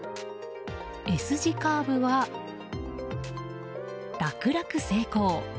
Ｓ字カーブは楽々成功。